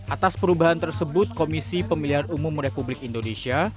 atas perubahan tersebut komisi pemilihan umum republik indonesia